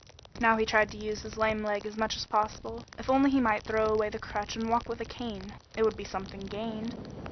Now he tried to use his lame leg as much as possible. If only he might throw away the crutch and walk with a cane, it would be something gained.